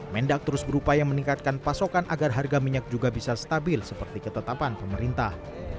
mendak terus berupaya meningkatkan pasokan agar harga minyak juga bisa stabil seperti ketetapan pemerintah